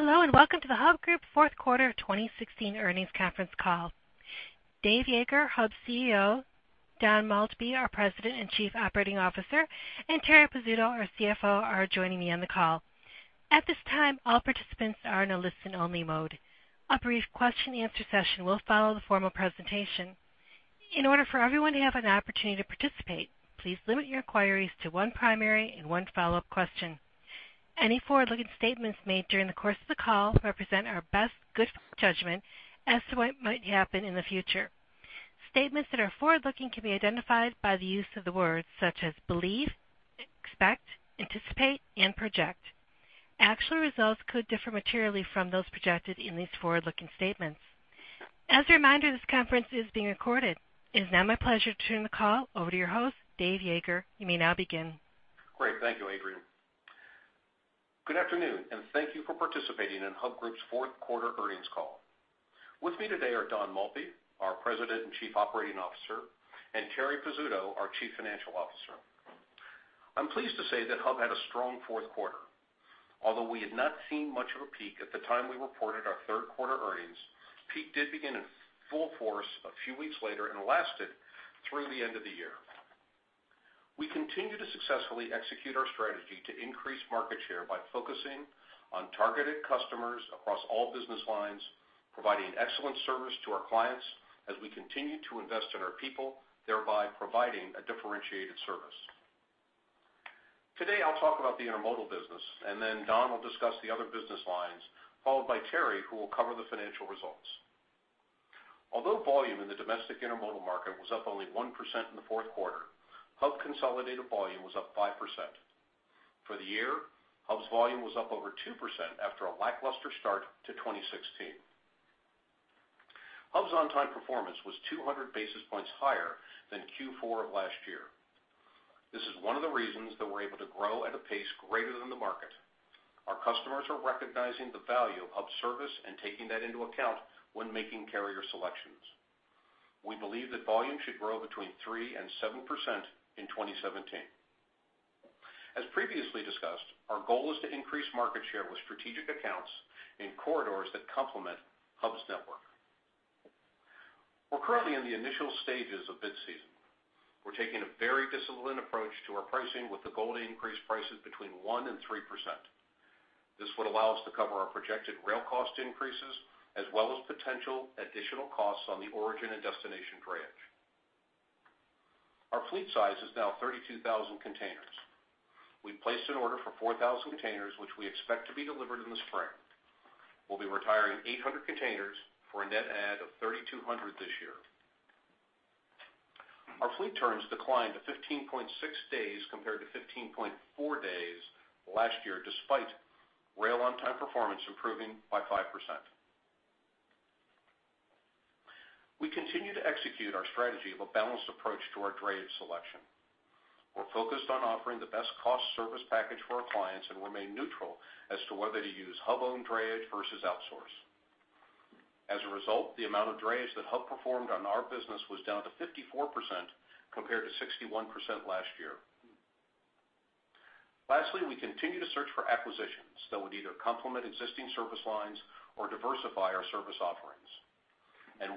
Hello, and welcome to the Hub Group Fourth Quarter 2016 Earnings Conference Call. Dave Yeager, Hub's CEO, Don Maltby, our President and Chief Operating Officer, and Terri Pizzuto, our CFO, are joining me on the call. At this time, all participants are in a listen-only mode. A brief question-and-answer session will follow the formal presentation. In order for everyone to have an opportunity to participate, please limit your inquiries to one primary and one follow-up question. Any forward-looking statements made during the course of the call represent our best good judgment as to what might happen in the future. Statements that are forward-looking can be identified by the use of the words, such as believe, expect, anticipate, and project. Actual results could differ materially from those projected in these forward-looking statements. As a reminder, this conference is being recorded. It is now my pleasure to turn the call over to your host, Dave Yeager. You may now begin. Great. Thank you, Adrian. Good afternoon, and thank you for participating in Hub Group's fourth quarter earnings call. With me today are Don Maltby, our President and Chief Operating Officer, and Terri Pizzuto, our Chief Financial Officer. I'm pleased to say that Hub had a strong fourth quarter. Although we had not seen much of a peak at the time we reported our third quarter earnings, peak did begin in full force a few weeks later and lasted through the end of the year. We continue to successfully execute our strategy to increase market share by focusing on targeted customers across all business lines, providing excellent service to our clients as we continue to invest in our people, thereby providing a differentiated service. Today, I'll talk about the intermodal business, and then Don will discuss the other business lines, followed by Terri, who will cover the financial results. Although volume in the domestic intermodal market was up only 1% in the fourth quarter, Hub consolidated volume was up 5%. For the year, Hub's volume was up over 2% after a lackluster start to 2016. Hub's on-time performance was 200 basis points higher than Q4 of last year. This is one of the reasons that we're able to grow at a pace greater than the market. Our customers are recognizing the value of Hub's service and taking that into account when making carrier selections. We believe that volume should grow between 3% and 7% in 2017. As previously discussed, our goal is to increase market share with strategic accounts in corridors that complement Hub's network. We're currently in the initial stages of bid season. We're taking a very disciplined approach to our pricing, with the goal to increase prices between 1% and 3%. This would allow us to cover our projected rail cost increases, as well as potential additional costs on the origin and destination drayage. Our fleet size is now 32,000 containers. We placed an order for 4,000 containers, which we expect to be delivered in the spring. We'll be retiring 800 containers for a net add of 3,200 this year. Our fleet turns declined to 15.6 days, compared to 15.4 days last year, despite rail on-time performance improving by 5%. We continue to execute our strategy of a balanced approach to our drayage selection. We're focused on offering the best cost service package for our clients and remain neutral as to whether to use Hub-owned drayage versus outsource. As a result, the amount of drayage that Hub performed on our business was down to 54%, compared to 61% last year. Lastly, we continue to search for acquisitions that would either complement existing service lines or diversify our service offerings.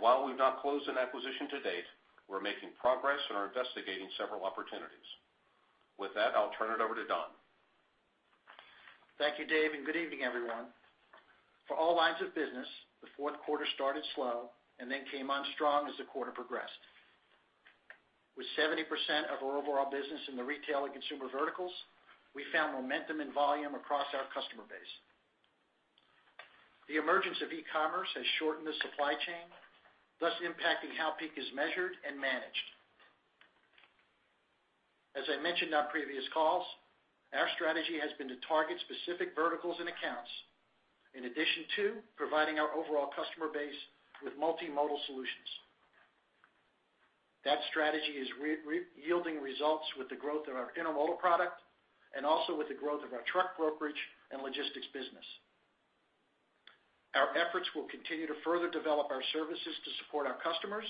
While we've not closed an acquisition to date, we're making progress and are investigating several opportunities. With that, I'll turn it over to Don. Thank you, Dave, and good evening, everyone. For all lines of business, the fourth quarter started slow and then came on strong as the quarter progressed. With 70% of our overall business in the retail and consumer verticals, we found momentum and volume across our customer base. The emergence of e-commerce has shortened the supply chain, thus impacting how peak is measured and managed. As I mentioned on previous calls, our strategy has been to target specific verticals and accounts, in addition to providing our overall customer base with multimodal solutions. That strategy is yielding results with the growth of our intermodal product and also with the growth of our truck brokerage and logistics business. Our efforts will continue to further develop our services to support our customers,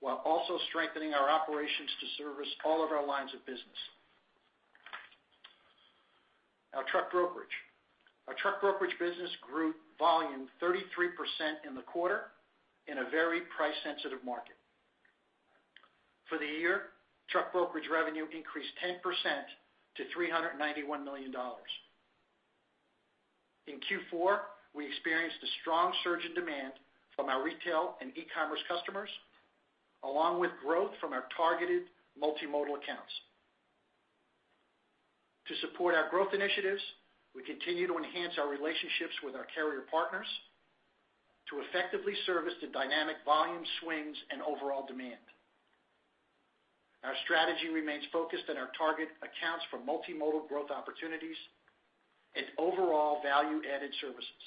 while also strengthening our operations to service all of our lines of business. Our truck brokerage. Our truck brokerage business grew volume 33% in the quarter in a very price-sensitive market. For the year, truck brokerage revenue increased 10% to $391 million. In Q4, we experienced a strong surge in demand from our retail and e-commerce customers, along with growth from our targeted multimodal accounts. To support our growth initiatives, we continue to enhance our relationships with our carrier partners to effectively service the dynamic volume swings and overall demand. Our strategy remains focused on our target accounts for multimodal growth opportunities and overall value-added services.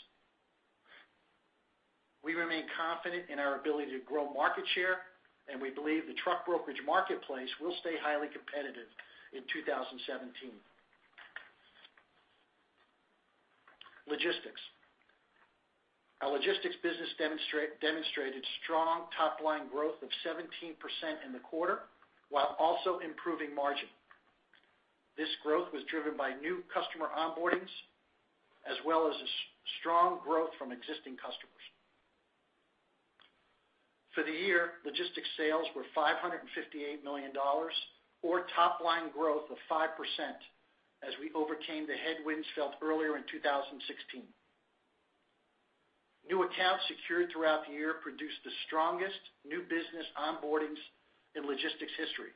We remain confident in our ability to grow market share, and we believe the truck brokerage marketplace will stay highly competitive in 2017. Logistics. Our logistics business demonstrated strong top-line growth of 17% in the quarter, while also improving margin. This growth was driven by new customer onboardings, as well as a strong growth from existing customers. For the year, logistics sales were $558 million, or top-line growth of 5%, as we overcame the headwinds felt earlier in 2016. New accounts secured throughout the year produced the strongest new business onboardings in logistics history.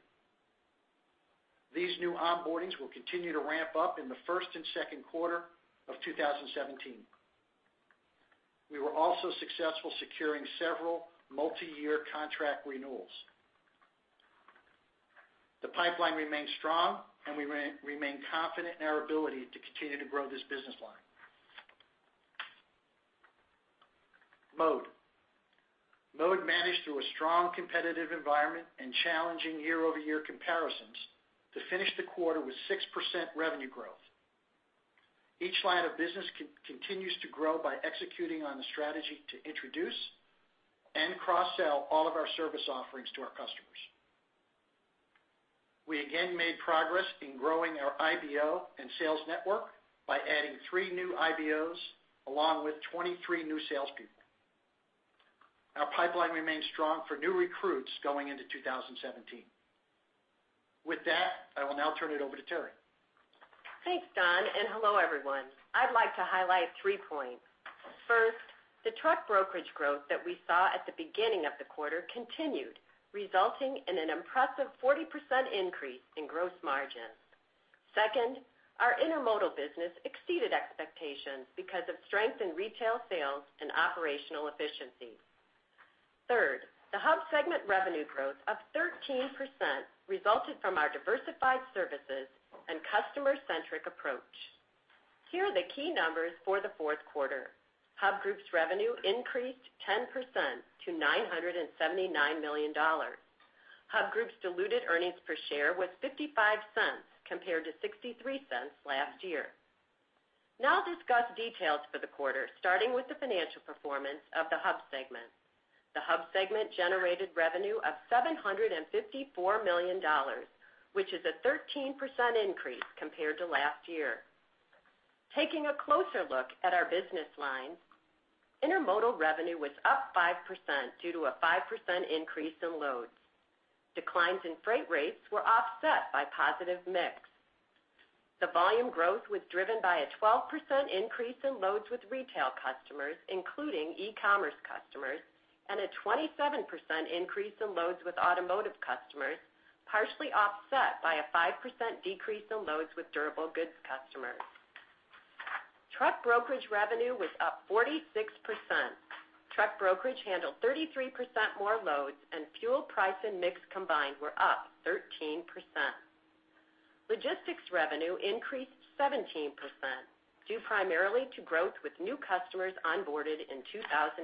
These new onboardings will continue to ramp up in the first and second quarter of 2017. We were also successful securing several multiyear contract renewals. The pipeline remains strong, and we remain confident in our ability to continue to grow this business line. Mode. Mode managed through a strong competitive environment and challenging year-over-year comparisons to finish the quarter with 6% revenue growth. Each line of business continues to grow by executing on the strategy to introduce and cross-sell all of our service offerings to our customers. We again made progress in growing our IBO and sales network by adding 3 new IBOs, along with 23 new salespeople. Our pipeline remains strong for new recruits going into 2017. With that, I will now turn it over to Terri. Thanks, Don, and hello, everyone. I'd like to highlight three points. First, the truck brokerage growth that we saw at the beginning of the quarter continued, resulting in an impressive 40% increase in gross margin. Second, our Intermodal business exceeded expectations because of strength in retail sales and operational efficiency. Third, the Hub segment revenue growth of 13% resulted from our diversified services and customer-centric approach. Here are the key numbers for the fourth quarter. Hub Group's revenue increased 10% to $979 million. Hub Group's diluted earnings per share was $0.55 compared to $0.63 last year. Now I'll discuss details for the quarter, starting with the financial performance of the Hub segment. The Hub segment generated revenue of $754 million, which is a 13% increase compared to last year. Taking a closer look at our business lines, Intermodal revenue was up 5% due to a 5% increase in loads. Declines in freight rates were offset by positive mix. The volume growth was driven by a 12% increase in loads with retail customers, including e-commerce customers, and a 27% increase in loads with automotive customers, partially offset by a 5% decrease in loads with durable goods customers. Truck brokerage revenue was up 46%. Truck brokerage handled 33% more loads, and fuel price and mix combined were up 13%. Logistics revenue increased 17%, due primarily to growth with new customers onboarded in 2016.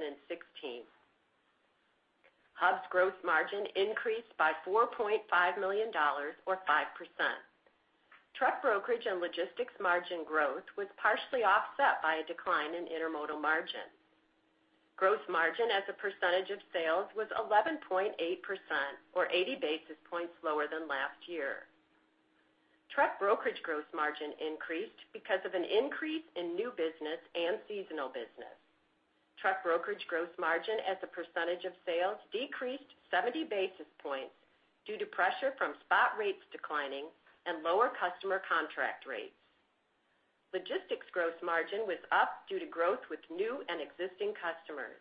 Hub's gross margin increased by $4.5 million or 5%. Truck brokerage and logistics margin growth was partially offset by a decline in Intermodal margin. Gross margin as a percentage of sales was 11.8% or 80 basis points lower than last year. Truck brokerage gross margin increased because of an increase in new business and seasonal business. Truck brokerage gross margin as a percentage of sales decreased 70 basis points due to pressure from spot rates declining and lower customer contract rates. Logistics gross margin was up due to growth with new and existing customers.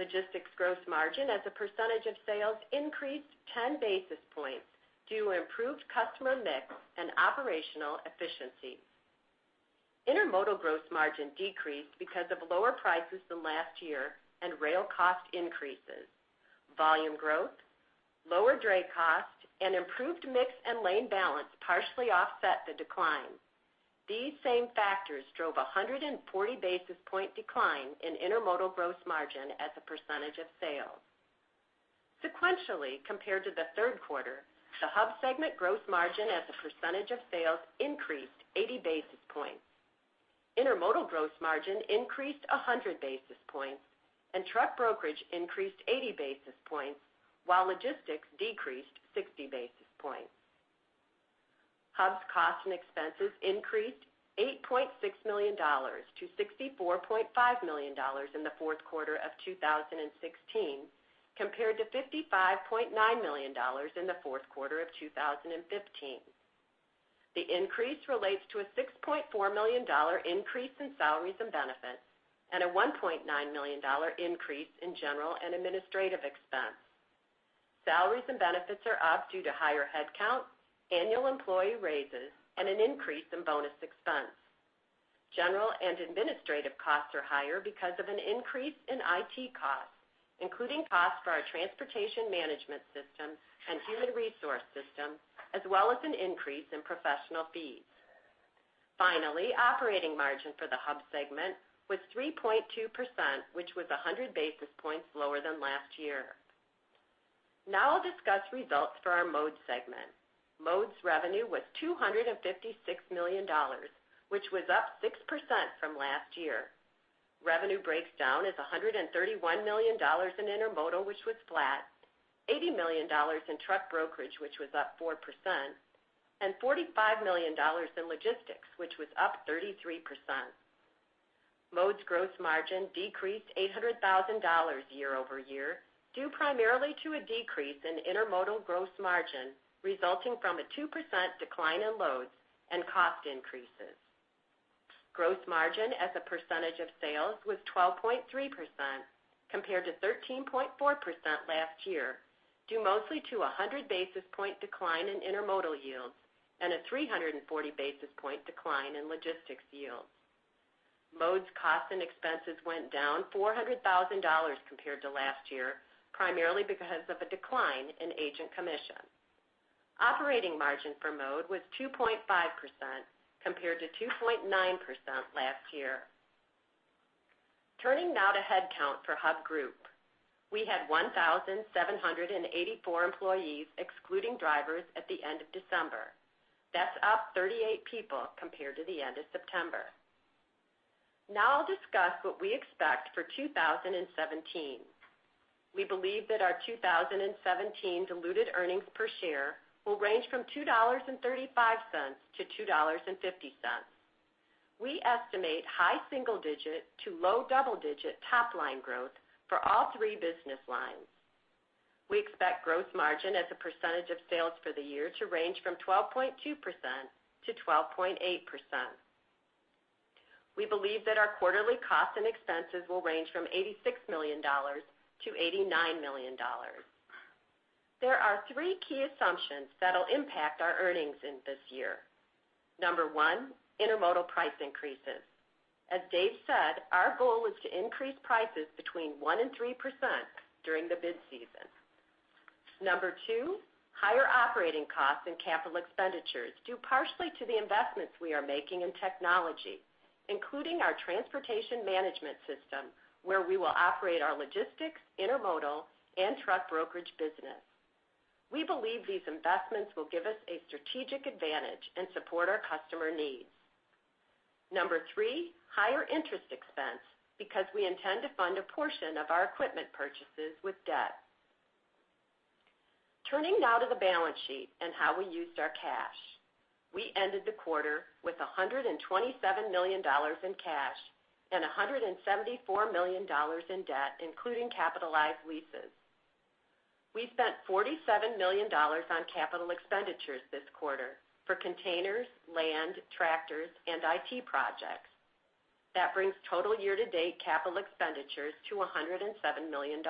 Logistics gross margin as a percentage of sales increased 10 basis points due to improved customer mix and operational efficiency. Intermodal gross margin decreased because of lower prices than last year and rail cost increases. Volume growth, lower dray cost, and improved mix and lane balance partially offset the decline. These same factors drove a 140 basis point decline in Intermodal gross margin as a percentage of sales. Sequentially, compared to the third quarter, the Hub segment gross margin as a percentage of sales increased 80 basis points. Intermodal gross margin increased 100 basis points, and truck brokerage increased 80 basis points, while Logistics decreased 60 basis points. Hub's costs and expenses increased $8.6 million to $64.5 million in the fourth quarter of 2016, compared to $55.9 million in the fourth quarter of 2015. The increase relates to a $6.4 million increase in salaries and benefits, and a $1.9 million increase in general and administrative expense. Salaries and benefits are up due to higher headcount, annual employee raises, and an increase in bonus expense. General and administrative costs are higher because of an increase in IT costs, including costs for our Transportation Management System and human resource system, as well as an increase in professional fees. Finally, operating margin for the Hub segment was 3.2%, which was 100 basis points lower than last year. Now I'll discuss results for our Mode segment. Mode's revenue was $256 million, which was up 6% from last year. Revenue breaks down as $131 million in intermodal, which was flat, $80 million in truck brokerage, which was up 4%, and $45 million in logistics, which was up 33%. Mode's gross margin decreased $800,000 year-over-year, due primarily to a decrease in intermodal gross margin, resulting from a 2% decline in loads and cost increases. Gross margin as a percentage of sales was 12.3% compared to 13.4% last year, due mostly to a 100 basis point decline in intermodal yields and a 340 basis point decline in logistics yields. Mode's costs and expenses went down $400,000 compared to last year, primarily because of a decline in agent commission. Operating margin for Mode was 2.5%, compared to 2.9% last year. Turning now to headcount for Hub Group. We had 1,784 employees, excluding drivers, at the end of December. That's up 38 people compared to the end of September. Now I'll discuss what we expect for 2017. We believe that our 2017 diluted earnings per share will range from $2.35 to $2.50. We estimate high single digit to low double digit top line growth for all three business lines. We expect gross margin as a percentage of sales for the year to range from 12.2% to 12.8%. We believe that our quarterly costs and expenses will range from $86 million to $89 million. There are three key assumptions that'll impact our earnings in this year. Number one, intermodal price increases. As Dave said, our goal is to increase prices between 1% and 3% during the bid season. Number two, higher operating costs and capital expenditures, due partially to the investments we are making in technology, including our transportation management system, where we will operate our logistics, intermodal, and truck brokerage business. We believe these investments will give us a strategic advantage and support our customer needs. Number three, higher interest expense, because we intend to fund a portion of our equipment purchases with debt. Turning now to the balance sheet and how we used our cash. We ended the quarter with $127 million in cash and $174 million in debt, including capitalized leases. We spent $47 million on capital expenditures this quarter for containers, land, tractors, and IT projects. That brings total year-to-date capital expenditures to $107 million.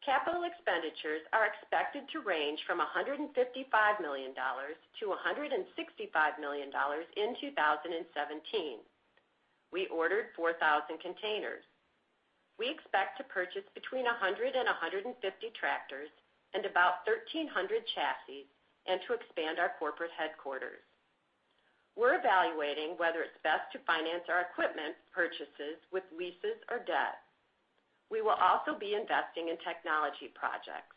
Capital expenditures are expected to range from $155 million to $165 million in 2017. We ordered 4,000 containers. We expect to purchase between 100 and 150 tractors and about 1,300 chassis, and to expand our corporate headquarters. We're evaluating whether it's best to finance our equipment purchases with leases or debt. We will also be investing in technology projects.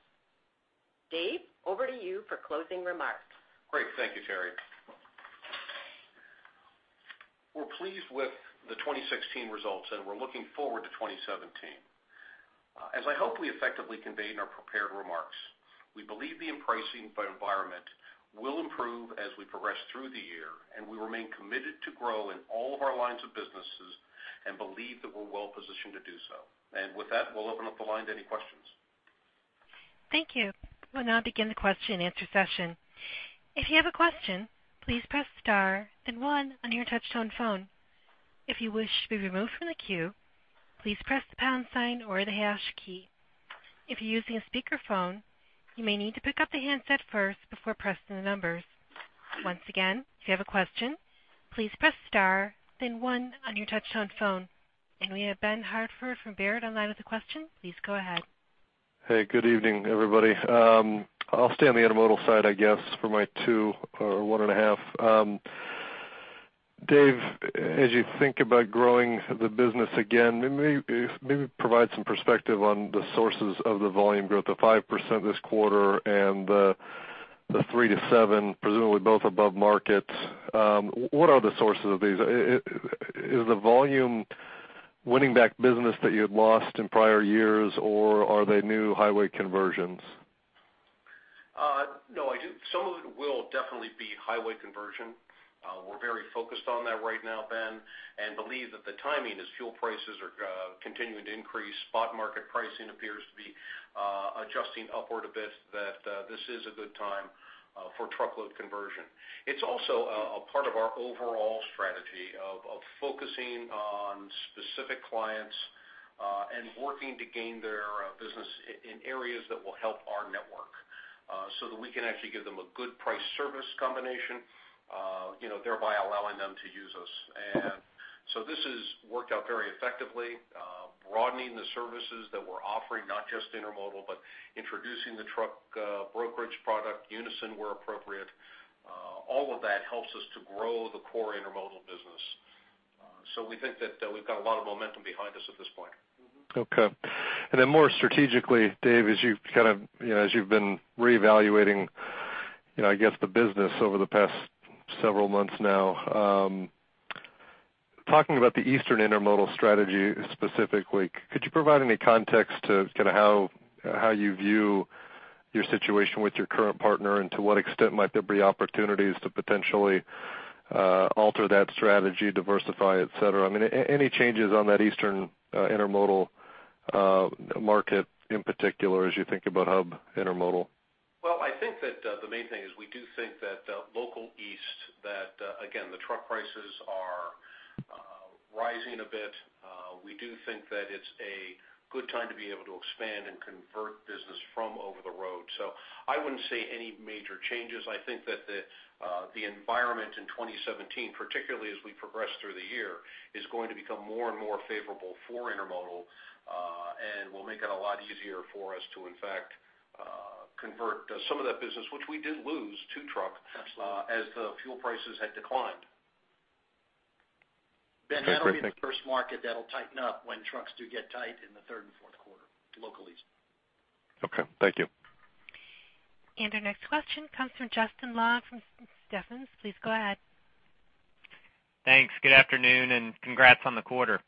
Dave, over to you for closing remarks. Great. Thank you, Terri. We're pleased with the 2016 results, and we're looking forward to 2017. As I hope we effectively conveyed in our prepared remarks, we believe the pricing environment will improve as we progress through the year, and we remain committed to grow in all of our lines of businesses and believe that we're well positioned to do so. With that, we'll open up the line to any questions. Thank you. We'll now begin the question and answer session. If you have a question, please press star, then one on your touchtone phone. If you wish to be removed from the queue, please press the pound sign or the hash key. If you're using a speakerphone, you may need to pick up the handset first before pressing the numbers. Once again, if you have a question, please press star, then one on your touchtone phone. And we have Ben Hartford from Baird online with a question. Please go ahead. Hey, good evening, everybody. I'll stay on the intermodal side, I guess, for my two or one and a half. Dave, as you think about growing the business again, maybe provide some perspective on the sources of the volume growth of 5% this quarter and the 3%-7%, presumably both above market. What are the sources of these? Is the volume winning back business that you had lost in prior years, or are they new highway conversions? No, some of it will definitely be highway conversion. We're very focused on that right now, Ben, and believe that the timing, as fuel prices are continuing to increase, spot market pricing appears to be adjusting upward a bit, that this is a good time for truckload conversion. It's also a part of our overall strategy of focusing on specific clients and working to gain their business in areas that will help our network, so that we can actually give them a good price service combination, you know, thereby allowing them to use us. And so this has worked out very effectively, broadening the services that we're offering, not just intermodal, but introducing the truck brokerage product, unassigned, where appropriate. All of that helps us to grow the core intermodal business. So we think that, we've got a lot of momentum behind us at this point. Okay. And then more strategically, Dave, as you've kind of, you know, as you've been reevaluating, you know, I guess, the business over the past several months now, talking about the Eastern intermodal strategy specifically, could you provide any context to kind of how, how you view your situation with your current partner, and to what extent might there be opportunities to potentially alter that strategy, diversify, et cetera? I mean, any changes on that Eastern intermodal market, in particular, as you think about Hub Intermodal? Well, I think that the main thing is we do think that local East Coast, that again the truck prices are rising a bit. We do think that it's a good time to be able to expand and convert business from over the road. So I wouldn't say any major changes. I think that the environment in 2017, particularly as we progress through the year, is going to become more and more favorable for intermodal, and will make it a lot easier for us to in fact convert some of that business, which we did lose to truck- Absolutely. as the fuel prices had declined. Okay, great. Ben, that'll be the first market that'll tighten up when trucks do get tight in the third and fourth quarter, locally. Okay, thank you. Our next question comes from Justin Long from Stephens. Please go ahead. Thanks. Good afternoon, and congrats on the quarter.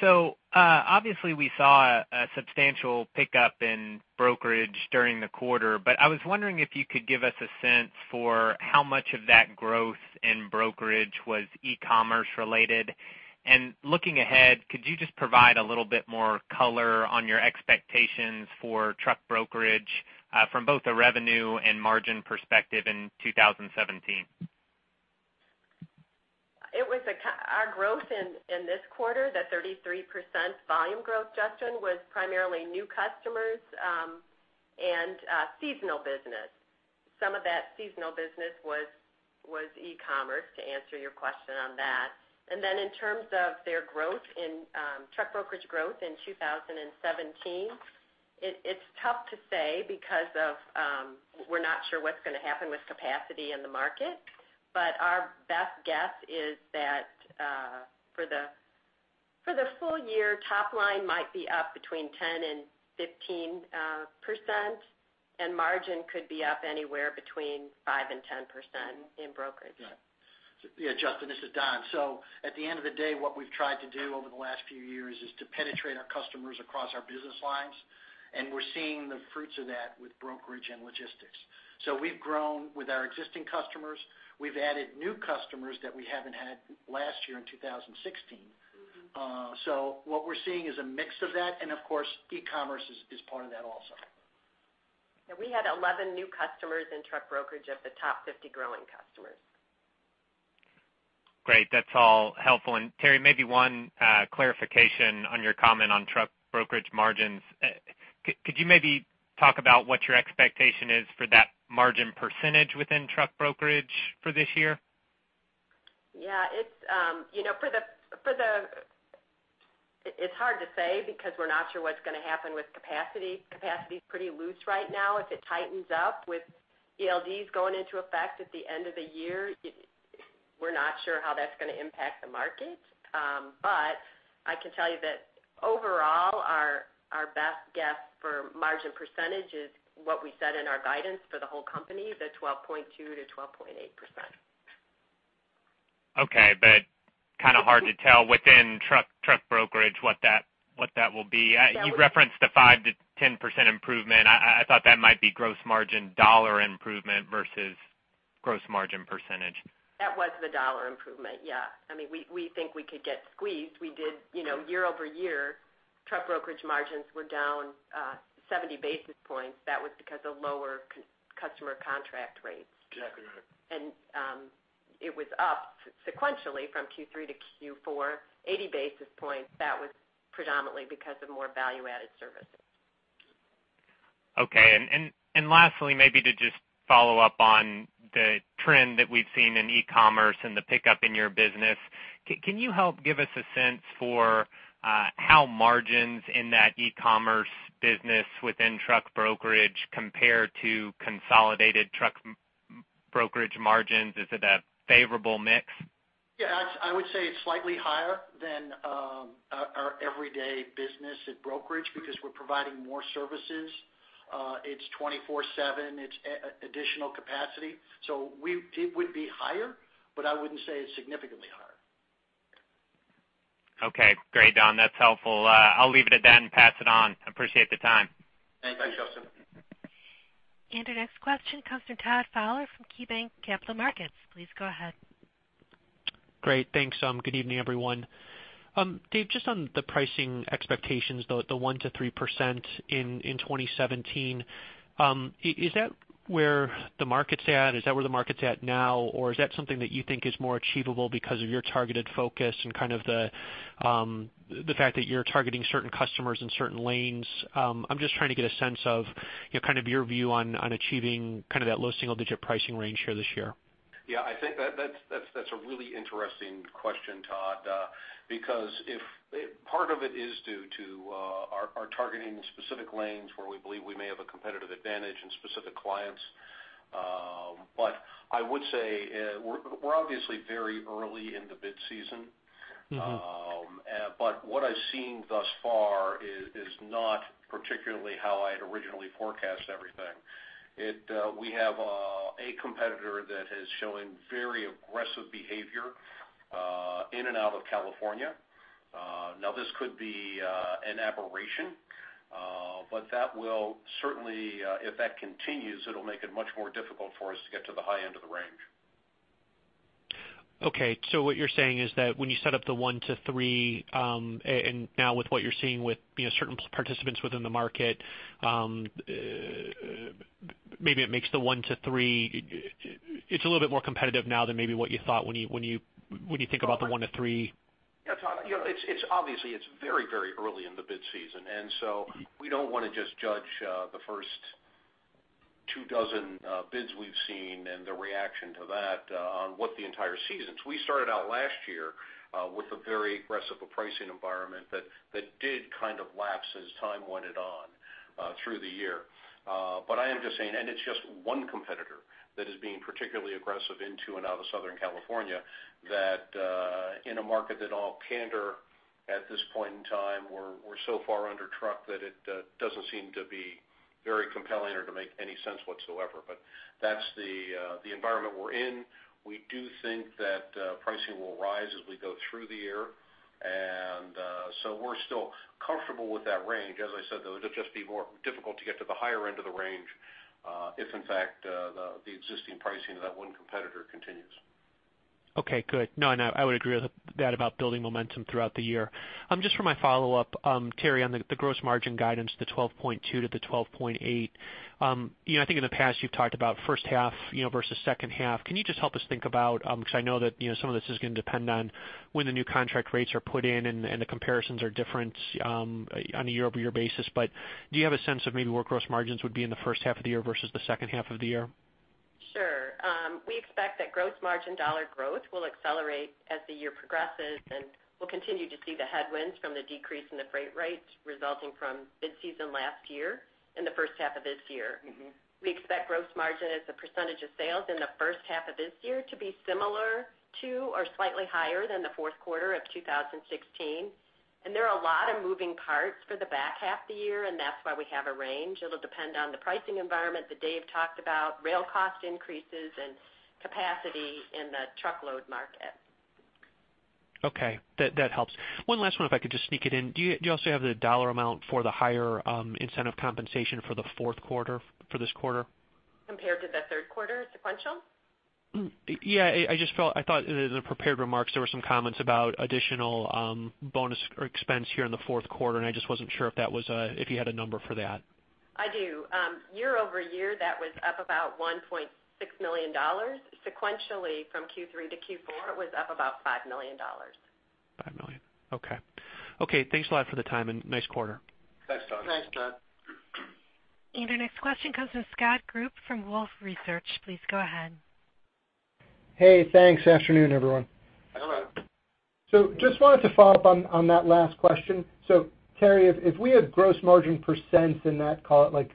So, obviously, we saw a substantial pickup in brokerage during the quarter, but I was wondering if you could give us a sense for how much of that growth in brokerage was e-commerce related. And looking ahead, could you just provide a little bit more color on your expectations for truck brokerage, from both a revenue and margin perspective in 2017? It was our growth in this quarter, the 33% volume growth, Justin, was primarily new customers, and seasonal business. Some of that seasonal business was e-commerce, to answer your question on that. And then in terms of their growth in truck brokerage growth in 2017, it's tough to say because of, we're not sure what's gonna happen with capacity in the market. But our best guess is that for the full year, top line might be up between 10% and 15%, and margin could be up anywhere between 5% and 10% in brokerage. Yeah. Yeah, Justin, this is Don. So at the end of the day, what we've tried to do over the last few years is to penetrate our customers across our business lines, and we're seeing the fruits of that with brokerage and logistics. So we've grown with our existing customers. We've added new customers that we haven't had last year in 2016. Mm-hmm. So what we're seeing is a mix of that, and of course, e-commerce is part of that also. We had 11 new customers in truck brokerage of the top 50 growing customers. Great, that's all helpful. And Terri, maybe one clarification on your comment on truck brokerage margins. Could you maybe talk about what your expectation is for that margin percentage within truck brokerage for this year? Yeah, it's, you know, for the... It's hard to say because we're not sure what's gonna happen with capacity. Capacity is pretty loose right now. If it tightens up with ELDs going into effect at the end of the year, it - we're not sure how that's gonna impact the market. But I can tell you that overall, our best guess for margin percentage is what we said in our guidance for the whole company, the 12.2%-12.8%. Okay, but kind of hard to tell within truck brokerage what that will be. So- You referenced a 5%-10% improvement. I thought that might be gross margin dollar improvement versus gross margin percentage. That was the dollar improvement, yeah. I mean, we, we think we could get squeezed. We did, you know, year-over-year, truck brokerage margins were down 70 basis points. That was because of lower customer contract rates. Exactly right. It was up sequentially from Q3 to Q4, 80 basis points. That was predominantly because of more value-added services. Okay. And lastly, maybe to just follow up on the trend that we've seen in e-commerce and the pickup in your business, can you help give us a sense for how margins in that e-commerce business within truck brokerage compare to consolidated truck brokerage margins? Is it a favorable mix? Yeah, I would say it's slightly higher than our everyday business in brokerage, because we're providing more services. It's 24/7. It's additional capacity, so it would be higher, but I wouldn't say it's significantly higher. Okay, great, Don. That's helpful. I'll leave it at that and pass it on. I appreciate the time. Thanks. Thanks, Justin. Our next question comes from Todd Fowler from KeyBanc Capital Markets. Please go ahead. Great. Thanks. Good evening, everyone. Dave, just on the pricing expectations, the 1%-3% percent in 2017, is that where the market's at? Is that where the market's at now? Or is that something that you think is more achievable because of your targeted focus and kind of the fact that you're targeting certain customers in certain lanes? I'm just trying to get a sense of, you know, kind of your view on achieving kind of that low single-digit pricing range here this year. Yeah, I think that's a really interesting question, Todd. Because if part of it is due to our targeting specific lanes where we believe we may have a competitive advantage and specific clients. But I would say, we're obviously very early in the bid season. Mm-hmm. But what I've seen thus far is not particularly how I had originally forecast everything. We have a competitor that is showing very aggressive behavior in and out of California. Now, this could be an aberration, but that will certainly, if that continues, it'll make it much more difficult for us to get to the high end of the range. Okay, so what you're saying is that when you set 1%-3%, and now with what you're seeing with, you know, certain participants within the market, maybe it 1%-3%, it's a little bit more competitive now than maybe what you thought when you think about the 1% to 3?% Yeah, Todd, you know, it's obviously very early in the bid season, and so we don't want to just judge the first 24 bids we've seen and the reaction to that on what the entire season. We started out last year with a very aggressive pricing environment that did kind of lapse as time went on through the year. But I am just saying, and it's just one competitor that is being particularly aggressive into and out of Southern California, that in a market, in all candor, at this point in time, we're so far under truck that it doesn't seem to be very compelling or to make any sense whatsoever. But that's the environment we're in. We do think that, pricing will rise as we go through the year, and, so we're still comfortable with that range. As I said, though, it'll just be more difficult to get to the higher end of the range, if in fact, the existing pricing of that one competitor continues. Okay, good. No, and I would agree with that about building momentum throughout the year. Just for my follow-up, Terry, on the gross margin guidance, the 12.2%-12.8%, you know, I think in the past you've talked about first half, you know, versus second half. Can you just help us think about, because I know that, you know, some of this is going to depend on when the new contract rates are put in and the comparisons are different on a year-over-year basis. But do you have a sense of maybe where gross margins would be in the first half of the year versus the second half of the year? Sure. We expect that Gross Margin dollar growth will accelerate as the year progresses, and we'll continue to see the headwinds from the decrease in the freight rates resulting from mid-season last year and the first half of this year. Mm-hmm. We expect gross margin as a percentage of sales in the first half of this year to be similar to or slightly higher than the fourth quarter of 2016. There are a lot of moving parts for the back half of the year, and that's why we have a range. It'll depend on the pricing environment that Dave talked about, rail cost increases, and capacity in the truckload market. Okay, that, that helps. One last one, if I could just sneak it in. Do you, do you also have the dollar amount for the higher, incentive compensation for the fourth quarter for this quarter? Compared to the third quarter sequential? Yeah, I just felt... I thought in the prepared remarks, there were some comments about additional bonus or expense here in the fourth quarter, and I just wasn't sure if that was, if you had a number for that. I do. Year-over-year, that was up about $1.6 million. Sequentially, from Q3 to Q4, it was up about $5 million. $5 million. Okay. Okay, thanks a lot for the time, and nice quarter. Thanks, Todd. Thanks, Todd. Our next question comes from Scott Group, from Wolfe Research. Please go ahead. Hey, thanks. Afternoon, everyone. Hello. So just wanted to follow up on, on that last question. So Terri, if, if we had gross margin percents in that, call it, like,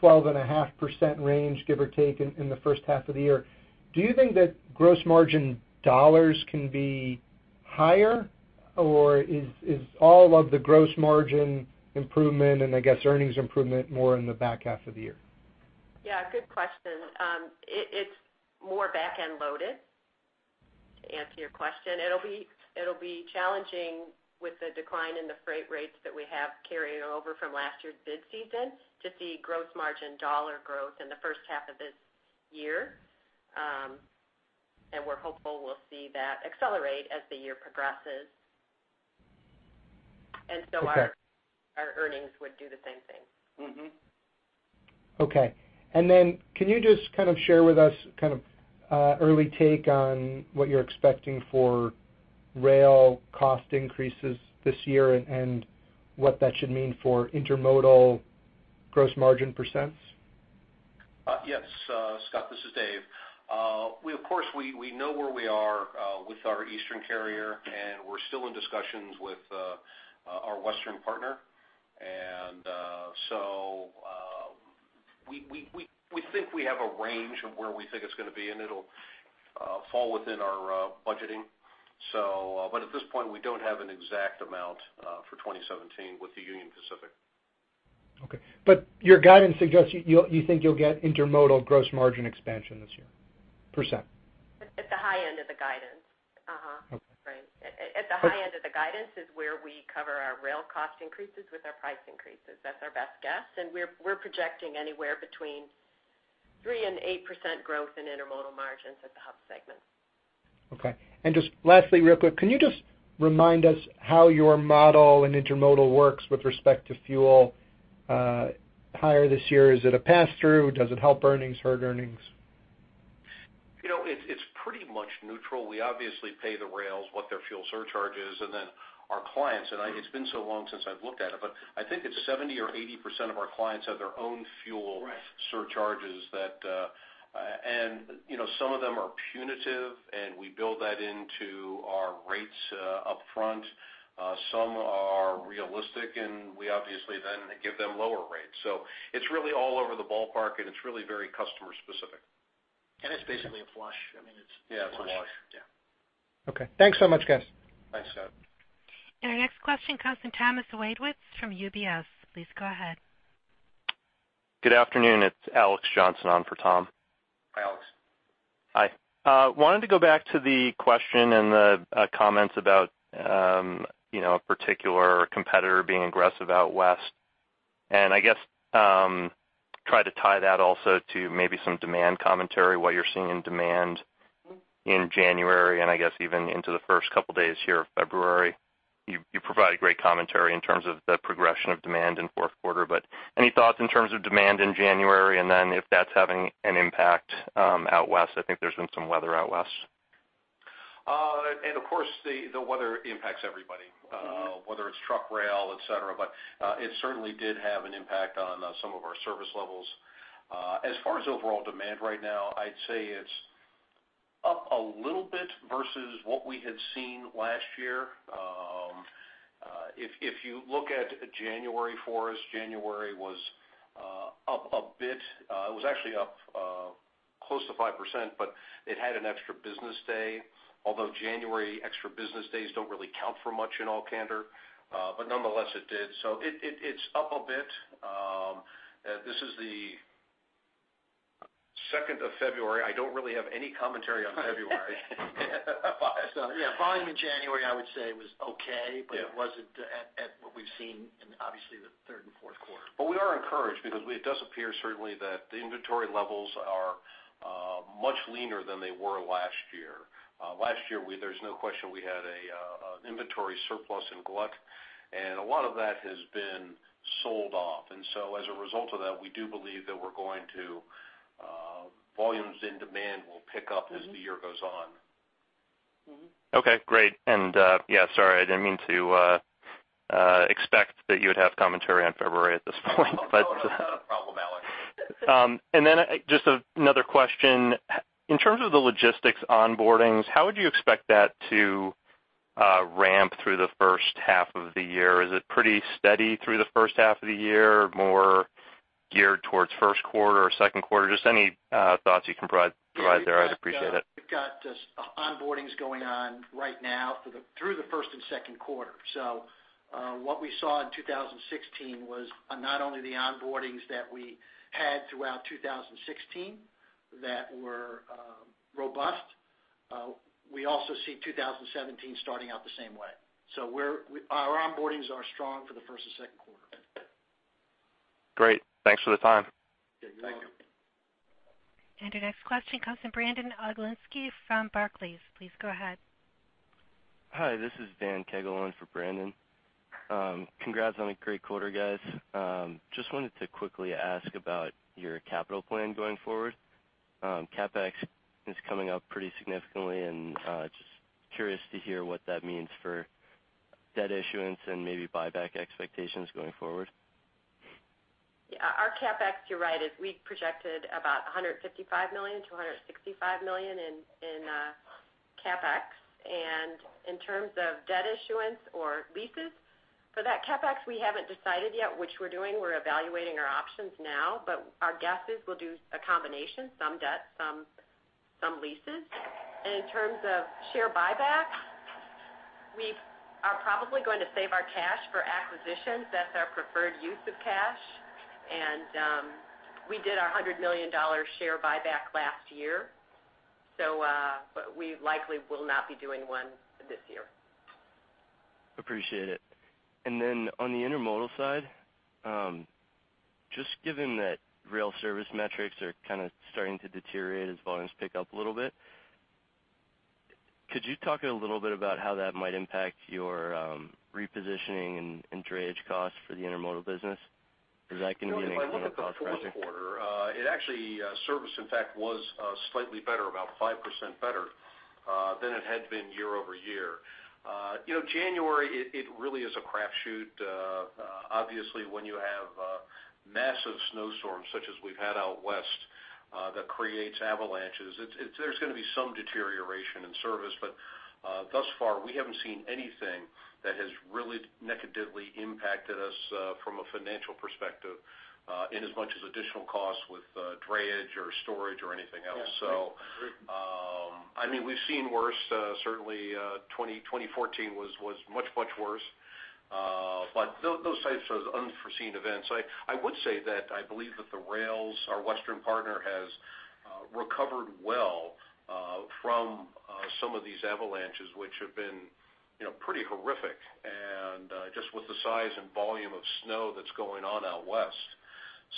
12.5% range, give or take, in, in the first half of the year, do you think that gross margin dollars can be higher? Or is, is all of the gross margin improvement and I guess, earnings improvement more in the back half of the year? Yeah, good question. It's more back-end loaded, to answer your question. It'll be challenging with the decline in the freight rates that we have carrying over from last year's bid season to see gross margin dollar growth in the first half of this year. And we're hopeful we'll see that accelerate as the year progresses. Okay. And so our earnings would do the same thing. Mm-hmm. Okay, and then can you just kind of share with us kind of, early take on what you're expecting for rail cost increases this year and, and what that should mean for intermodal gross margin percents? Yes, Scott, this is Dave. We of course know where we are with our eastern carrier, and we're still in discussions with our western partner. So, we think we have a range of where we think it's gonna be, and it'll fall within our budgeting. So, but at this point, we don't have an exact amount for 2017 with the Union Pacific. Okay. But your guidance suggests you'll, you think you'll get intermodal gross margin expansion this year, percent? At the high end of the guidance. Uh-huh. Okay. Right. At the high end of the guidance is where we cover our rail cost increases with our price increases. That's our best guess, and we're projecting anywhere between 3% and 8% growth in intermodal margins at the Hub segment. Okay. And just lastly, real quick, can you just remind us how your model in intermodal works with respect to fuel, higher this year? Is it a pass-through? Does it help earnings, hurt earnings? You know, it's pretty much neutral. We obviously pay the rails what their fuel surcharge is, and then our clients, and I, it's been so long since I've looked at it, but I think it's 70% or 80% of our clients have their own fuel surcharges that, and you know, some of them are punitive, and we build that into our rates upfront. Some are realistic, and we obviously then give them lower rates. So it's really all over the ballpark, and it's really very customer specific. It's basically a flush. I mean, it's- Yeah, it's a wash. Yeah. Okay, thanks so much, guys. Thanks, Scott. Our next question comes from Thomas Wadewitz from UBS. Please go ahead. Good afternoon, it's Alex Johnson on for Tom. Hi, Alex. Hi. Wanted to go back to the question and the comments about, you know, a particular competitor being aggressive out west. And I guess, try to tie that also to maybe some demand commentary, what you're seeing in demand in January, and I guess even into the first couple days here of February. You provided great commentary in terms of the progression of demand in fourth quarter, but any thoughts in terms of demand in January, and then if that's having an impact, out west? I think there's been some weather out west. And of course, the weather impacts everybody, whether it's truck, rail, et cetera. But it certainly did have an impact on some of our service levels. As far as overall demand right now, I'd say it's up a little bit versus what we had seen last year. If you look at January for us, January was up a bit. It was actually up close to 5%, but it had an extra business day, although January extra business days don't really count for much in all candor. But nonetheless, it did. So it's up a bit. This is the second of February. I don't really have any commentary on February. So yeah, volume in January, I would say, was okay. Yeah. - but it wasn't at what we've seen in obviously the third and fourth quarter. But we are encouraged because it does appear certainly that the inventory levels are much leaner than they were last year. Last year, there's no question we had an inventory surplus and glut, and a lot of that has been sold off. And so as a result of that, we do believe that we're going to volumes and demand will pick up as the year goes on. Mm-hmm. Okay, great. And yeah, sorry, I didn't mean to expect that you would have commentary on February at this point, but- No, not a problem, Alex. And then just another question. In terms of the logistics onboardings, how would you expect that to ramp through the first half of the year? Is it pretty steady through the first half of the year, more geared towards first quarter or second quarter? Just any thoughts you can provide there, I'd appreciate it. We've got, we've got just onboardings going on right now through the first and second quarter. So, what we saw in 2016 was not only the onboardings that we had throughout 2016 that were robust. We also see 2017 starting out the same way. So, our onboardings are strong for the first and second quarter. Great. Thanks for the time. Yeah, you're welcome. Our next question comes from Brandon Oglenski from Barclays. Please go ahead. Hi, this is Dan Kegel on for Brandon. Congrats on a great quarter, guys. Just wanted to quickly ask about your capital plan going forward. CapEx is coming up pretty significantly, and just curious to hear what that means for debt issuance and maybe buyback expectations going forward. Yeah, our CapEx, you're right, is we projected about $155 million-$165 million in CapEx. And in terms of debt issuance or leases, for that CapEx, we haven't decided yet which we're doing. We're evaluating our options now, but our guess is we'll do a combination, some debt, some leases. And in terms of share buyback, we are probably going to save our cash for acquisitions. That's our preferred use of cash, and we did our $100 million share buyback last year. So, but we likely will not be doing one this year. Appreciate it. And then on the intermodal side, just given that rail service metrics are kind of starting to deteriorate as volumes pick up a little bit, could you talk a little bit about how that might impact your, repositioning and drayage costs for the intermodal business? Is that going to be an impact on the cost structure? If you look at the first quarter, it actually service in fact was slightly better, about 5% better than it had been year-over-year. You know, January it really is a crap shoot. Obviously, when you have massive snowstorms such as we've had out west, that creates avalanches, there's going to be some deterioration in service. But thus far, we haven't seen anything that has really negatively impacted us from a financial perspective, in as much as additional costs with drayage or storage or anything else. Yeah. So, I mean, we've seen worse. Certainly, 2014 was much worse. But those types of unforeseen events. I would say that I believe that the rails, our western partner, has recovered well from some of these avalanches, which have been, you know, pretty horrific, and just with the size and volume of snow that's going on out west.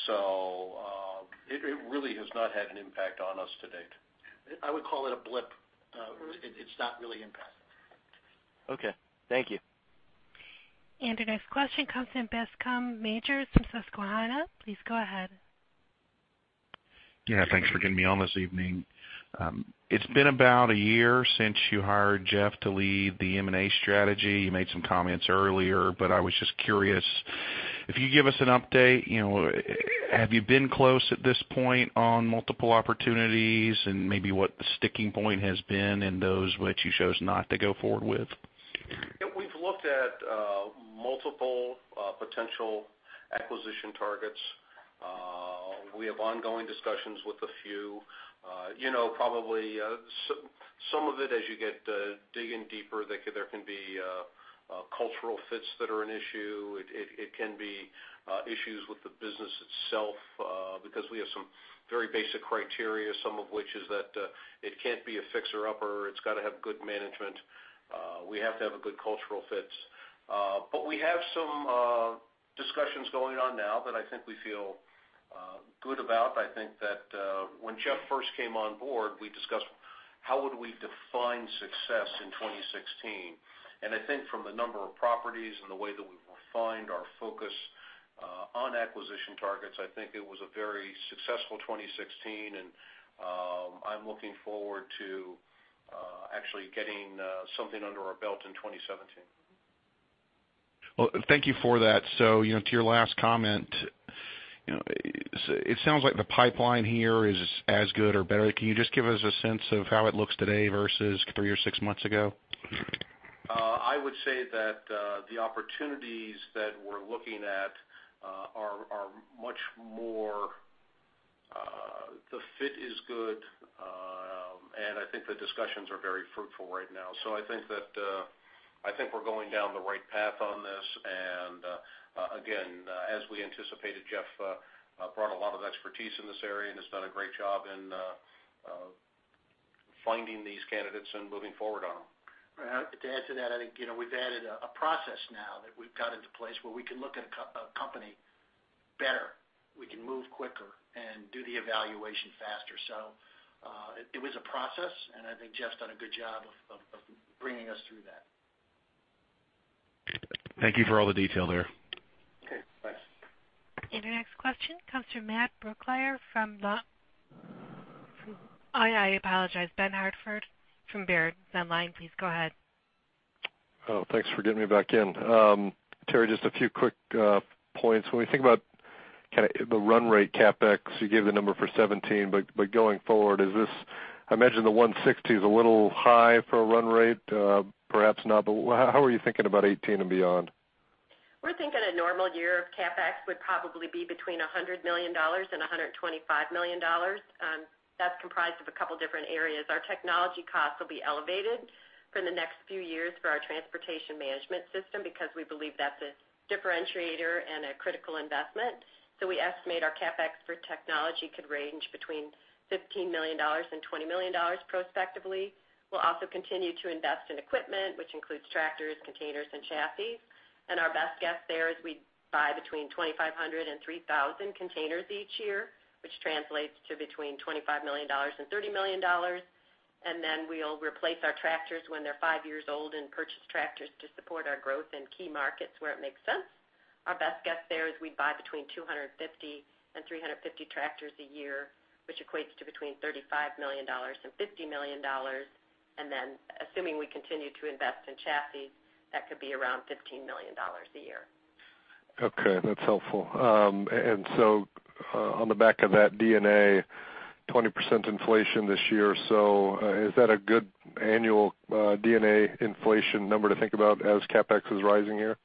So, it really has not had an impact on us to date. I would call it a blip. It, it's not really impactful. Okay. Thank you. The next question comes from Bascome Majors from Susquehanna. Please go ahead. Yeah, thanks for getting me on this evening. It's been about a year since you hired Jeff to lead the M&A strategy. You made some comments earlier, but I was just curious if you give us an update, you know, have you been close at this point on multiple opportunities? And maybe what the sticking point has been in those which you chose not to go forward with? Yeah, we've looked at multiple potential acquisition targets. We have ongoing discussions with a few. You know, probably some of it, as you get digging deeper, there can be cultural fits that are an issue. It can be issues with the business itself, because we have some very basic criteria, some of which is that it can't be a fixer-upper. It's got to have good management. We have to have a good cultural fits. But we have some discussions going on now that I think we feel good about. I think that when Jeff first came on board, we discussed how would we define success in 2016. I think from the number of properties and the way that we've refined our focus on acquisition targets, I think it was a very successful 2016. I'm looking forward to actually getting something under our belt in 2017. Well, thank you for that. So, you know, to your last comment, you know, it sounds like the pipeline here is as good or better. Can you just give us a sense of how it looks today versus three or six months ago? I would say that the opportunities that we're looking at are much more the fit is good, and I think the discussions are very fruitful right now. So I think that I think we're going down the right path on this. And again, as we anticipated, Jeff brought a lot of expertise in this area and has done a great job in finding these candidates and moving forward on them. Right. To add to that, I think, you know, we've added a process now that we've got into place where we can look at a company better, we can move quicker and do the evaluation faster. So, it was a process, and I think Jeff's done a good job of bringing us through that. Thank you for all the detail there. Okay, thanks. Our next question comes from Matt Brooklier from Long—I apologize, Ben Hartford from Baird. The line, please go ahead. Oh, thanks for getting me back in. Terri, just a few quick points. When we think about kind of the run rate CapEx, you gave the number for 2017, but going forward, is this—I imagine the $160 is a little high for a run rate, perhaps not. But how are you thinking about 2018 and beyond? We're thinking a normal year of CapEx would probably be between $100 million and $125 million. That's comprised of a couple different areas. Our technology costs will be elevated for the next few years for our transportation management system, because we believe that's a differentiator and a critical investment. So we estimate our CapEx for technology could range between $15 million and $20 million prospectively. We'll also continue to invest in equipment, which includes tractors, containers, and chassis. And our best guess there is we buy between 2,500 and 3,000 containers each year, which translates to between $25 million and $30 million. And then we'll replace our tractors when they're five years old and purchase tractors to support our growth in key markets where it makes sense. Our best guess there is we buy between 250 and 350 tractors a year, which equates to between $35 million and $50 million. And then, assuming we continue to invest in chassis, that could be around $15 million a year. Okay, that's helpful. And so, on the back of that DNA, 20% inflation this year. So, is that a good annual, DNA inflation number to think about as CapEx is rising here?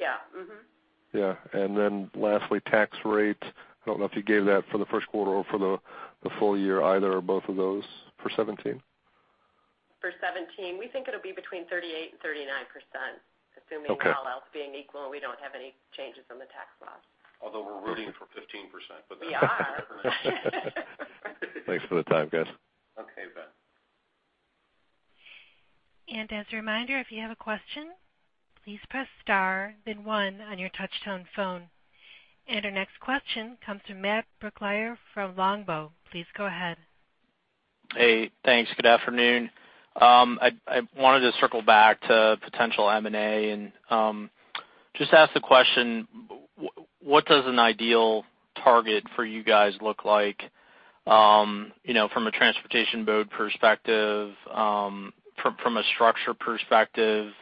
Yeah. Mm-hmm. Yeah. Lastly, tax rate. I don't know if you gave that for the first quarter or for the full year, either, or both of those for 2017. For 2017, we think it'll be between 38% and 39%. Okay. Assuming all else being equal, and we don't have any changes in the tax laws. Although we're rooting for 15%, but that- We are. Thanks for the time, guys. Okay, Ben. And as a reminder, if you have a question, please press star, then one on your touchtone phone. And our next question comes from Matt Brooklier from Longbow. Please go ahead. Hey, thanks. Good afternoon. I wanted to circle back to potential M&A and just ask the question, what does an ideal target for you guys look like, you know, from a transportation mode perspective, from a structure perspective?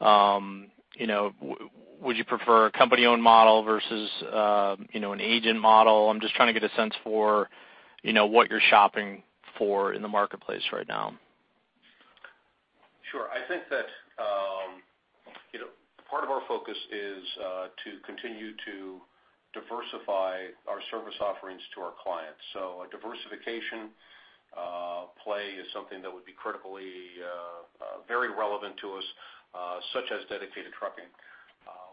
You know, would you prefer a company-owned model versus an agent model? I'm just trying to get a sense for, you know, what you're shopping for in the marketplace right now. Sure. I think that, you know, part of our focus is to continue to diversify our service offerings to our clients. So a diversification play is something that would be critically very relevant to us, such as dedicated trucking.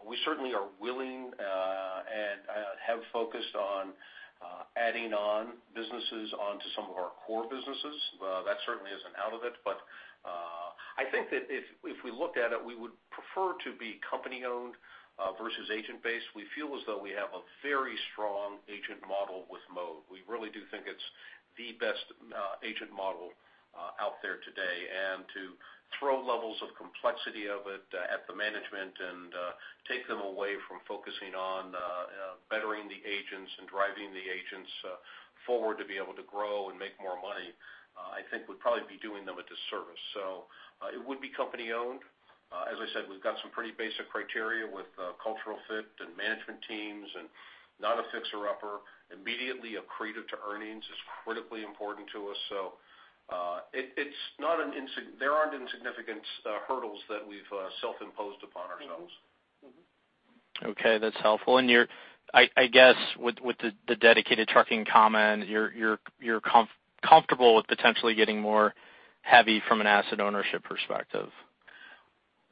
We certainly are willing and have focused on adding on businesses onto some of our core businesses. That certainly isn't out of it. But I think that if we looked at it, we would prefer to be company-owned versus agent-based. We feel as though we have a very strong agent model with Mode. We really do think it's the best agent model out there today. To throw levels of complexity of it at the management and take them away from focusing on bettering the agents and driving the agents forward to be able to grow and make more money, I think would probably be doing them a disservice. So, it would be company-owned. As I said, we've got some pretty basic criteria with cultural fit and management teams, and not a fixer-upper. Immediately accretive to earnings is critically important to us. So, it, it's not an insig- there aren't insignificant hurdles that we've self-imposed upon ourselves. Mm-hmm. Mm-hmm. Okay, that's helpful. And I guess, with the dedicated trucking comment, you're comfortable with potentially getting more heavy from an asset ownership perspective?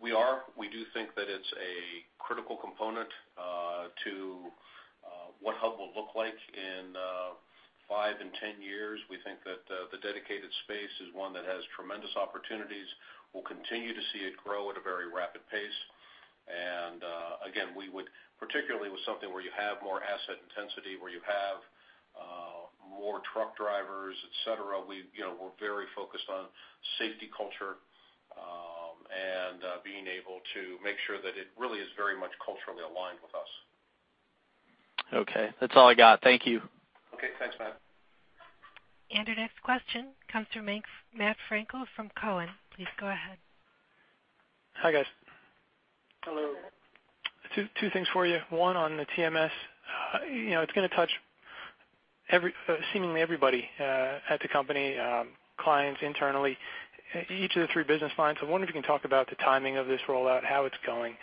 We are. We do think that it's a critical component to what Hub will look like in five and 10 years. We think that the dedicated space is one that has tremendous opportunities. We'll continue to see it grow at a very rapid pace. Again, we would, particularly with something where you have more asset intensity, where you have more truck drivers, et cetera, we, you know, we're very focused on safety culture, and being able to make sure that it really is very much culturally aligned with us. Okay. That's all I got. Thank you. Okay, thanks, Matt. Our next question comes from Matt Frankel from Cowen. Please go ahead. Hi, guys. Hello. Two things for you. One, on the TMS. You know, it's gonna touch seemingly everybody at the company, clients internally, each of the three business lines. So I wonder if you can talk about the timing of this rollout, how it's going,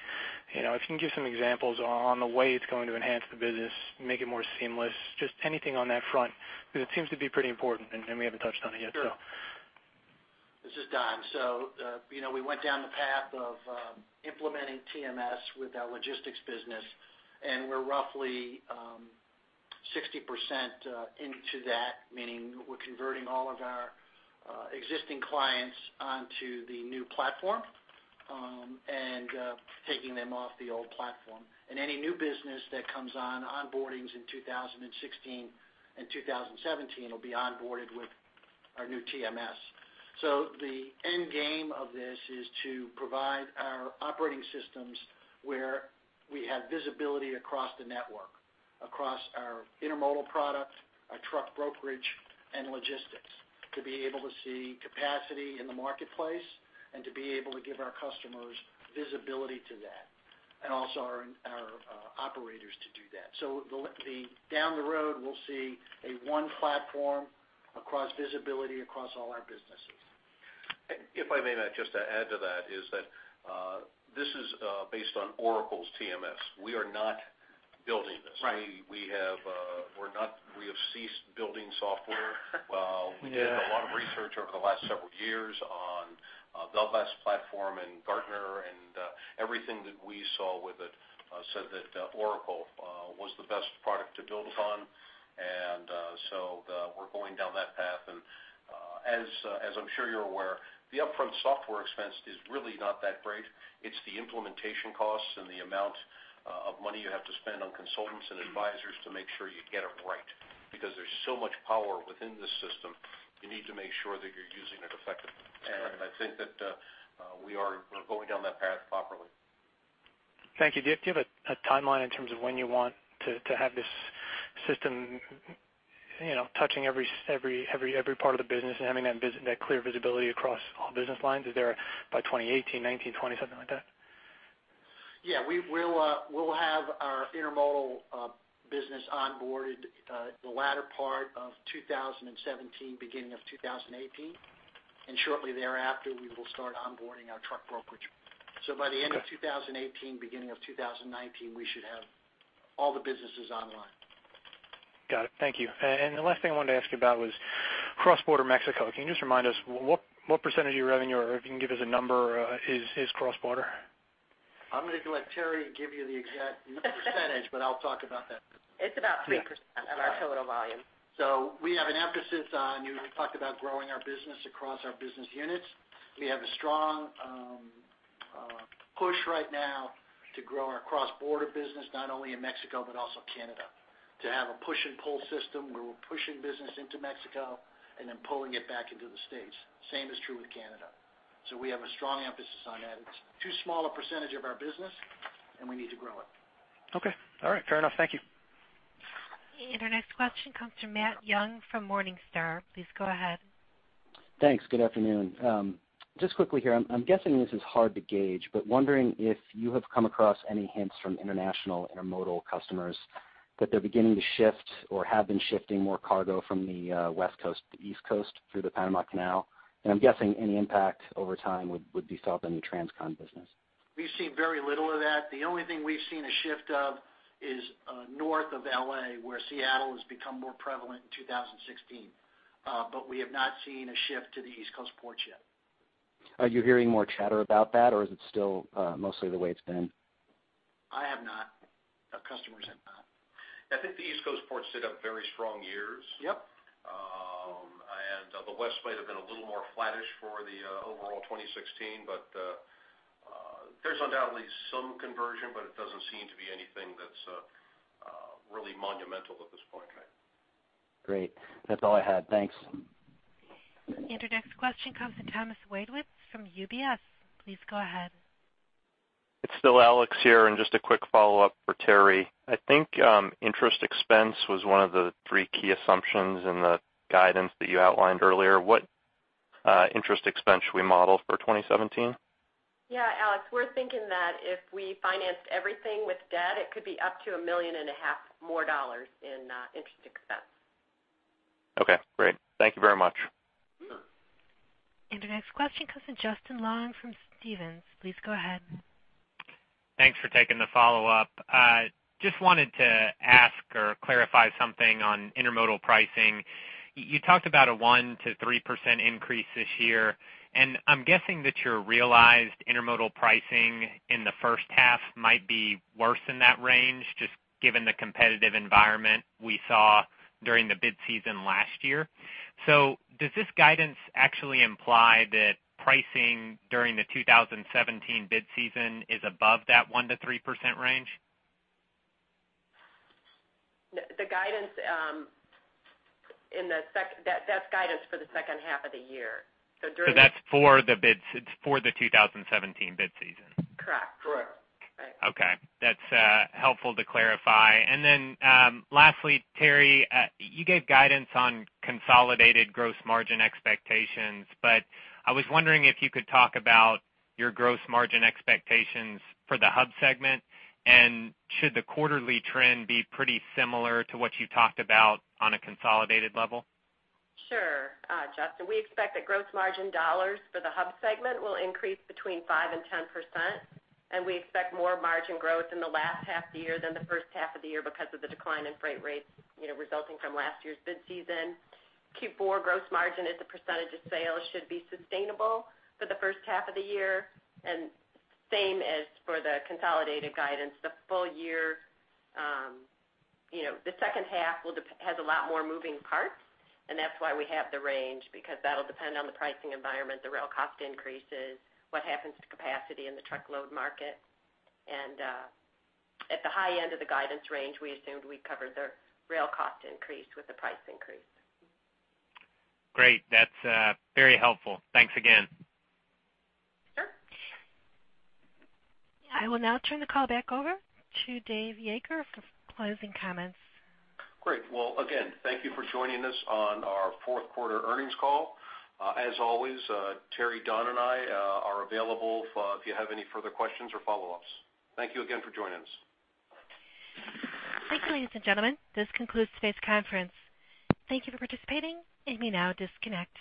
you know, if you can give some examples on the way it's going to enhance the business, make it more seamless, just anything on that front, because it seems to be pretty important, and we haven't touched on it yet, so. Sure. This is Don. So, you know, we went down the path of implementing TMS with our logistics business, and we're roughly 60% into that, meaning we're converting all of our existing clients onto the new platform, and taking them off the old platform. And any new business that comes on, onboardings in 2016 and 2017 will be onboarded with our new TMS. So the end game of this is to provide our operating systems, where we have visibility across the network, across our intermodal products, our truck brokerage and logistics, to be able to see capacity in the marketplace and to be able to give our customers visibility to that, and also our operators to do that. So, down the road, we'll see a one platform across visibility across all our businesses. If I may, Matt, just to add to that, is that this is based on Oracle's TMS. We are not building this. Right. We have ceased building software. Yeah. We did a lot of research over the last several years on the best platform, and Gartner and everything that we saw with it said that Oracle was the best product to build on. And so we're going down that path. And as I'm sure you're aware, the upfront software expense is really not that great. It's the implementation costs and the amount of money you have to spend on consultants and advisors to make sure you get it right, because there's so much power within the system, you need to make sure that you're using it effectively. Right. I think that we're going down that path properly. Thank you. Do you have a timeline in terms of when you want to have this system, you know, touching every part of the business and having that clear visibility across all business lines? Is there by 2018, 2019, 2020, something like that? Yeah, we'll have our intermodal business onboarded the latter part of 2017, beginning of 2018, and shortly thereafter, we will start onboarding our truck brokerage. Okay. By the end of 2018, beginning of 2019, we should have all the businesses online. Got it. Thank you. And the last thing I wanted to ask you about was cross-border Mexico. Can you just remind us what percentage of your revenue, or if you can give us a number, is cross-border? I'm going to let Terri give you the exact percentage, but I'll talk about that. It's about 3%- Yeah... of our total volume. So we have an emphasis on we talked about growing our business across our business units. We have a strong push right now to grow our cross-border business, not only in Mexico, but also Canada, to have a push-and-pull system, where we're pushing business into Mexico and then pulling it back into the States. Same is true with Canada. So we have a strong emphasis on that. It's too small a percentage of our business, and we need to grow it. Okay. All right, fair enough. Thank you. Our next question comes from Matt Young from Morningstar. Please go ahead. Thanks. Good afternoon. Just quickly here, I'm, I'm guessing this is hard to gauge, but wondering if you have come across any hints from international intermodal customers that they're beginning to shift or have been shifting more cargo from the West Coast to the East Coast through the Panama Canal? And I'm guessing any impact over time would, would be felt in the transcon business. We've seen very little of that. The only thing we've seen a shift of is, north of LA, where Seattle has become more prevalent in 2016. But we have not seen a shift to the East Coast ports yet. Are you hearing more chatter about that, or is it still, mostly the way it's been? I have not. Our customers have not. I think the East Coast ports did have very strong years. Yep. The West might have been a little more flattish for the overall 2016, but... There's undoubtedly some conversion, but it doesn't seem to be anything that's really monumental at this point in time. Great. That's all I had. Thanks. Your next question comes from Thomas Wadewitz from UBS. Please go ahead. It's still Alex here, and just a quick follow-up for Terri. I think, interest expense was one of the three key assumptions in the guidance that you outlined earlier. What, interest expense should we model for 2017? Yeah, Alex, we're thinking that if we financed everything with debt, it could be up to $1.5 million more dollars in interest expense. Okay, great. Thank you very much. The next question comes from Justin Long from Stephens. Please go ahead. Thanks for taking the follow-up. I just wanted to ask or clarify something on intermodal pricing. You talked about a 1%-3% increase this year, and I'm guessing that your realized intermodal pricing in the first half might be worse than that range, just given the competitive environment we saw during the bid season last year. So does this guidance actually imply that pricing during the 2017 bid season is above that 1%-3% range? the guidance in the second half, that's guidance for the second half of the year. So during- So that's for the bids, it's for the 2017 bid season? Correct. Correct. Right. Okay, that's helpful to clarify. And then, lastly, Terri, you gave guidance on consolidated gross margin expectations, but I was wondering if you could talk about your gross margin expectations for the Hub segment, and should the quarterly trend be pretty similar to what you talked about on a consolidated level? Sure, Justin. We expect that gross margin dollars for the Hub segment will increase between 5% and 10%, and we expect more margin growth in the last half of the year than the first half of the year because of the decline in freight rates, you know, resulting from last year's bid season. Q4 gross margin as a percentage of sales should be sustainable for the first half of the year, and same as for the consolidated guidance. The full year, you know, the second half will have a lot more moving parts, and that's why we have the range, because that'll depend on the pricing environment, the rail cost increases, what happens to capacity in the truckload market. At the high end of the guidance range, we assumed we covered the rail cost increase with the price increase. Great. That's very helpful. Thanks again. Sure. I will now turn the call back over to Dave Yeager for closing comments. Great. Well, again, thank you for joining us on our fourth quarter earnings call. As always, Terri, Don, and I are available for if you have any further questions or follow-ups. Thank you again for joining us. Thank you, ladies and gentlemen. This concludes today's conference. Thank you for participating. You may now disconnect.